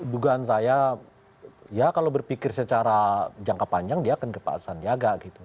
dugaan saya ya kalau berpikir secara jangka panjang dia akan ke pak sandiaga gitu